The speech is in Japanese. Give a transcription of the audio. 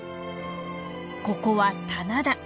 ここは棚田。